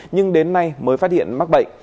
nhưng đến nay mới phát hiện mắc bệnh